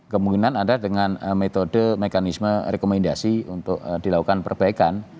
kemungkinan ada dengan metode mekanisme rekomendasi untuk dilakukan perbaikan